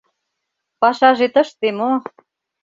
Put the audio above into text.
Пашаже тыште мо?